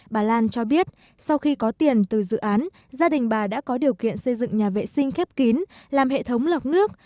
bà lan cho biết sau khi có tiền từ dự án gia đình bà đã có điều kiện xây dựng nhà vệ sinh khép kín làm hệ thống lọc nước